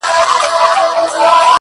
خدايه دا ټـپه مي په وجود كـي ده ـ